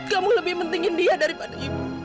kamu lebih pentingin dia daripada ibu